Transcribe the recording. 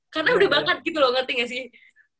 karena udah banget gitu loh ngerti gak sih